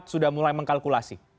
sudah mulai mengkalkulasi